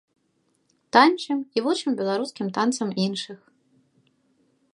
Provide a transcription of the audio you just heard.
Танчым і вучым беларускім танцам іншых.